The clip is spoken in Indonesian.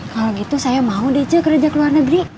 kalau gitu saya mau dc kerja ke luar negeri